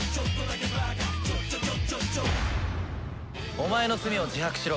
『おまえの罪を自白しろ』